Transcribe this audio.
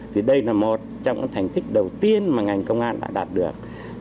thì đây là một trong những thành tích đầu tiên mà ngành công an đã đạt được